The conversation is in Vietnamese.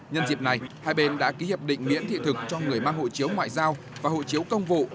nhân dịp này hai bên đã ký hiệp định miễn thị thực cho người mang hộ chiếu ngoại giao và hộ chiếu công vụ